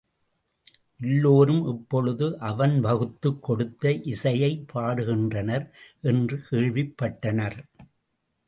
எல்லோரும் இப்பொழுது அவன் வகுத்துக் கொடுத்த இசையைப் பாடுகின்றனர் என்று கேள்விப் பட்டனர்.